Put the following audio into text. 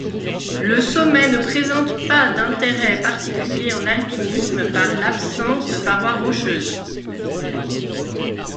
Le sommet ne présente par d’intérêt particulier en alpinisme par l’absence de paroi rocheuse.